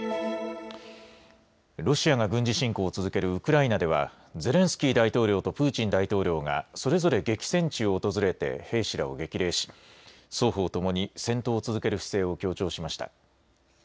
ロシアが軍事侵攻を続けるウクライナではゼレンスキー大統領とプーチン大統領がそれぞれ激戦地を訪れて兵士らを激励し双方ともに戦闘を続ける姿勢を強調しました。